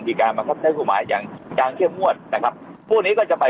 ที่การมาเข้าทะคุณหมายอย่างจังเชื่อมวลนะครับพวกนี้ก็จะไป